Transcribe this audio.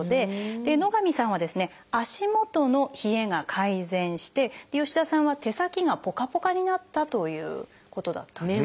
野上さんは足元の冷えが改善して吉田さんは手先がポカポカになったということだったんですね。